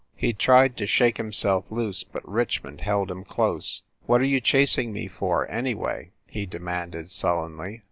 He tried to shake himself loose, but Richmond held him close. "What are you chasing me for, anyway?" he demanded sullenly.